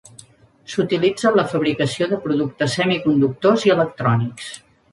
S'utilitza en la fabricació de productes semiconductors i electrònics.